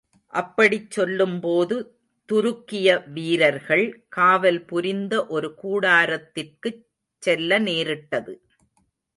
அப்படிச் செல்லும்போது, துருக்கிய வீரர்கள் காவல் புரிந்த ஒரு கூடாரத்திற்குச் செல்ல நேரிட்டது.